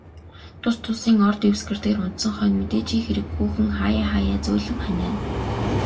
Тус тусын ор дэвсгэр дээр унтсан хойно, мэдээжийн хэрэг хүүхэн хааяа хааяа зөөлөн ханиана.